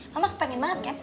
mama kepengen banget kan